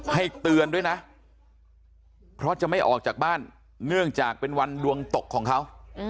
เตือนด้วยนะเพราะจะไม่ออกจากบ้านเนื่องจากเป็นวันดวงตกของเขา